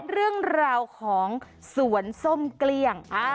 เรื่องราวของสวนส้มเกลี้ยง